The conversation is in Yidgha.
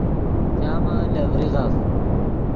چامے لے ڤریغف